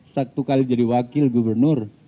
satu kali jadi wakil gubernur